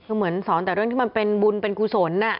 คือเหมือนสอนแต่เรื่องที่มันเป็นบุญเป็นกุศล